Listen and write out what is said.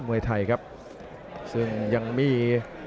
มวยไทยครับซึ่งยังมี